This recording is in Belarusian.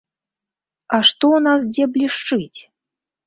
А што ў нас дзе блішчыць?